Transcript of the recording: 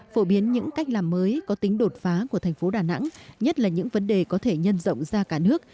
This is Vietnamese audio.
phổ biến những cách làm mới có tính đột phá của thành phố đà nẵng nhất là những vấn đề có thể nhân rộng ra cả nước